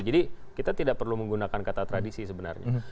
jadi kita tidak perlu menggunakan kata tradisi sebenarnya